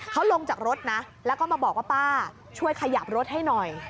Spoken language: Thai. เขาลงจากรถนะแล้วก็มาบอกว่าป้าช่วยขยับรถให้หน่อย